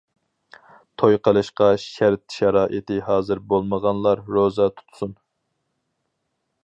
توي قىلىشقا شەرت-شارائىتى ھازىر بولمىغانلار روزا تۇتسۇن.